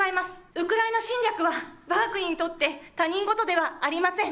ウクライナ侵略はわが国にとって他人事ではありません。